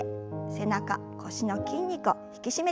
背中腰の筋肉を引き締めていきましょう。